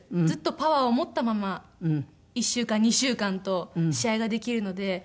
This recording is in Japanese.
ずっとパワーを持ったまま１週間２週間と試合ができるので。